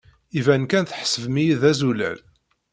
Iban kan tḥesbem-iyi d azulal.